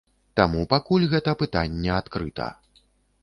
Таму пакуль гэта пытанне адкрыта.